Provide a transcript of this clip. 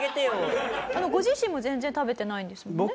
ご自身も全然食べてないんですもんね？